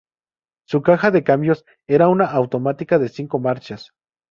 Su caja de cambios era una automática de cinco marchas.